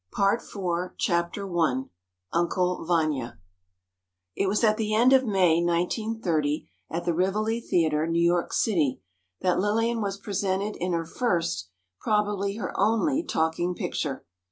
PART FOUR I "UNCLE VANYA" It was at the end of May, 1930, at the Rivoli Theatre, New York City, that Lillian was presented in her first, probably her only, talking picture.